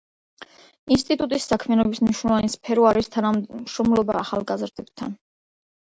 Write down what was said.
ინსტიტუტის საქმიანობის მნიშვნელოვანი სფერო არის თანამშრომლობა ახალგაზრდებთან.